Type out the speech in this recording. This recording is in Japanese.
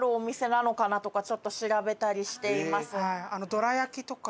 どら焼きとか。